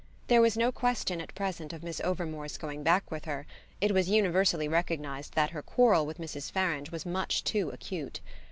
There was no question at present of Miss Overmore's going back with her: it was universally recognised that her quarrel with Mrs. Farange was much too acute.